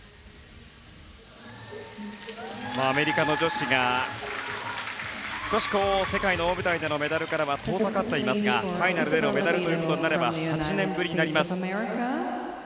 アメリカの女子が少し世界の大舞台でのメダルからは遠ざかっていますがファイナルでのメダルということになれば８年ぶりになります。